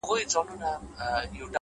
مهرباني د اړیکو ښکلا زیاتوي’